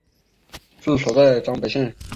治所在张北县。